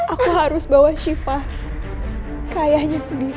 aku harus bawa shiva ke ayahnya sendiri